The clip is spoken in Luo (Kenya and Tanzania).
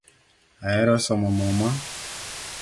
Ahero somo muma